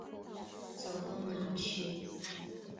走到哪儿去。